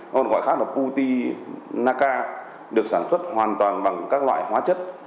hoặc gọi khác là butinaca được sản xuất hoàn toàn bằng các loại hóa chất